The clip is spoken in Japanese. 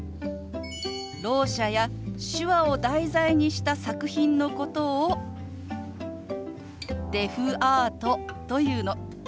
ろう者や手話を題材にした作品のことをデフアートと言うの。